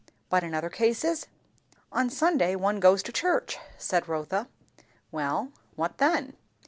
But in other cases? " "On Sunday one goes to church," said Rotha. "Well, what then?"